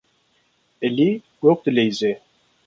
Elî gog dileyîze.